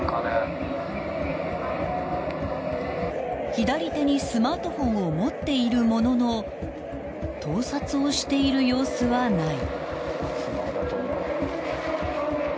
［左手にスマートフォンを持っているものの盗撮をしている様子はない］